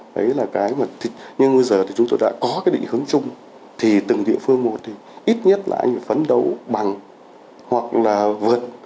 đấy là cái mà như bây giờ thì chúng tôi đã có cái định hướng chung thì từng địa phương một thì ít nhất là anh phải phấn đấu bằng hoặc là vượt